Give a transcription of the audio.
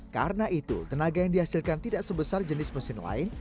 karena itu tenaga yang dihasilkan tidak sebesar jenis mesin lain